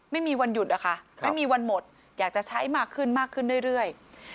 ไม่มีวันหยุดอะค่ะไม่มีวันหมดอยากจะใช้มากขึ้นมากขึ้นเรื่อย